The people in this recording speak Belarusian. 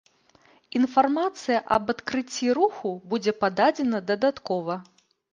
Інфармацыя аб адкрыцці руху будзе пададзена дадаткова.